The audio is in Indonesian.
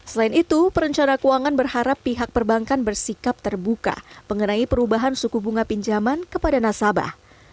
selain itu perencana keuangan berharap pihak perbankan bersikap terbuka mengenai perubahan suku bunga pinjaman kepada nasabah